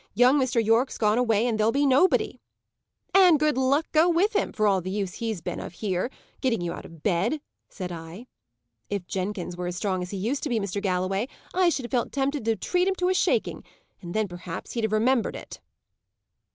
Young Mr. Yorke's gone away, and there'll be nobody.' 'And good luck go with him, for all the use he's of here, getting you out of your bed,' said I. If Jenkins were as strong as he used to be, Mr. Galloway, I should have felt tempted to treat him to a shaking, and then, perhaps, he'd have remembered it!"